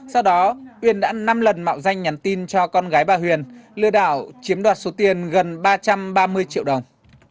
sau đó uyên đã năm lần mạo danh nhắn tin cho con gái bà huyền lừa đảo chiếm đoạt số tiền gần ba trăm ba mươi triệu đồng